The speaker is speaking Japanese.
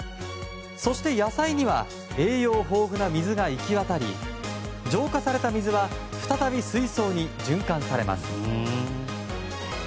そして、野菜には栄養豊富な水が行き渡り浄化された水は再び水槽に循環されます。